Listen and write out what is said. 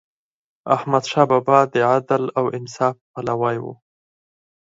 احمدشاه بابا د عدل او انصاف پلوی و.